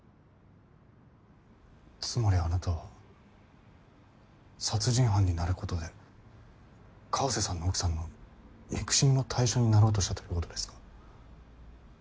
つまりあなたは殺人犯になることで川瀬さんの奥さんの憎しみの対象になろうとしたということですか？